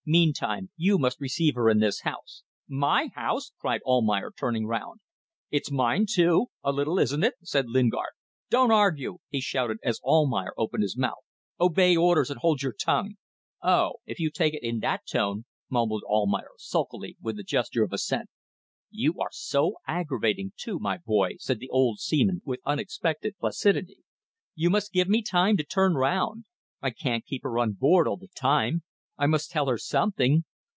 Meantime you must receive her into this house." "My house!" cried Almayer, turning round. "It's mine too a little isn't it?" said Lingard. "Don't argue," he shouted, as Almayer opened his mouth. "Obey orders and hold your tongue!" "Oh! If you take it in that tone!" mumbled Almayer, sulkily, with a gesture of assent. "You are so aggravating too, my boy," said the old seaman, with unexpected placidity. "You must give me time to turn round. I can't keep her on board all the time. I must tell her something.